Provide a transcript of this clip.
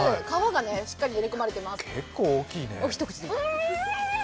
皮がしっかり練り込まれています。